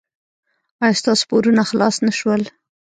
ایا ستاسو پورونه خلاص نه شول؟